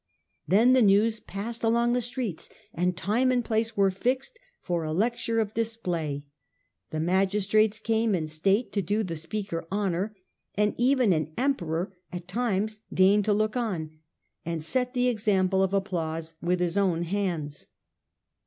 Then the news passed along the streets, and time and place were fixed for a lecture of display ; the magistrates came in state to do the speaker honour, and even an Emperor at times deigned to look in, and set the example of applause with his own hands.